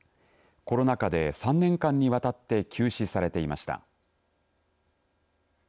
コロナ禍で３年間にわたって休止されていました。